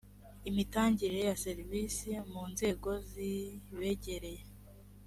imitangire ya serivisi mu nzego ntibegereye